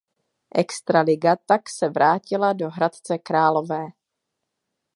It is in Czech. Extraliga tak se vrátila do Hradce Králové.